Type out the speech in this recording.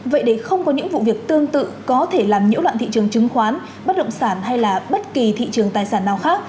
vậy để không có những vụ việc tương tự có thể làm nhiễu loạn thị trường chứng khoán bất động sản hay là bất kỳ thị trường tài sản nào khác